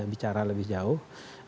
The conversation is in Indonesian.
bicara lebih jauh